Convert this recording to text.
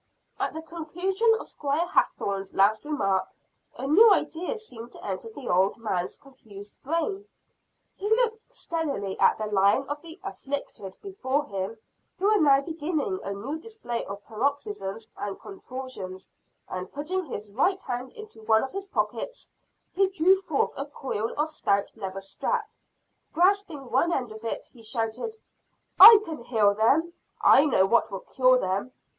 At the conclusion of Squire Hathorne's last remark, a new idea seemed to enter the old man's confused brain. He looked steadily at the line of the "afflicted" before him, who were now beginning a new display of paroxysms and contortions, and putting his right hand into one of his pockets, he drew forth a coil of stout leather strap. Grasping one end of it, he shouted, "I can heal them! I know what will cure them!"